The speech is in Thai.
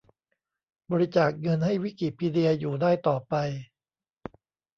บริจาคเงินให้วิกิพีเดียอยู่ได้ต่อไป